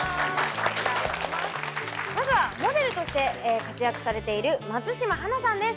まずはモデルとして活躍されている松島花さんです